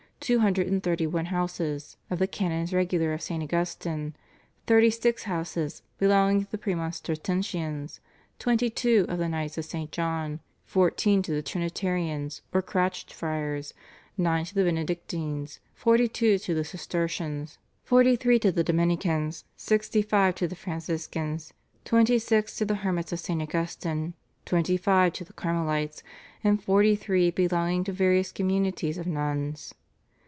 two hundred and thirty one houses of the Canons Regular of St. Augustine, thirty six houses belonging to the Premonstratensians, twenty two of the Knights of St. John, fourteen to the Trinitarians or Crouched Friars, nine to the Benedictines, forty two to the Cistercians, forty three to the Dominicans, sixty five to the Franciscans, twenty six to the Hermits of St. Augustine, twenty five to the Carmelites, and forty three belonging to various communities of Nuns.